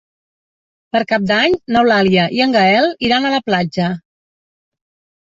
Per Cap d'Any n'Eulàlia i en Gaël iran a la platja.